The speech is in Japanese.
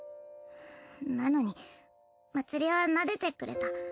なのにまつりはなでてくれた。